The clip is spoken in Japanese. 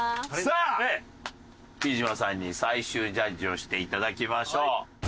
さあ貴島さんに最終ジャッジをして頂きましょう。